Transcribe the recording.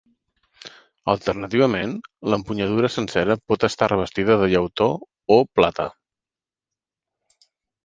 Alternativament, l'empunyadura sencera pot estar revestida de llautó o plata.